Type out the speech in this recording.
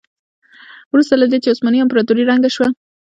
وروسته له دې چې عثماني امپراتوري ړنګه شوه.